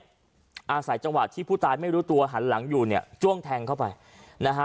อาศัยจังหวะที่ผู้ตายไม่รู้ตัวหันหลังอยู่เนี่ยจ้วงแทงเข้าไปนะฮะ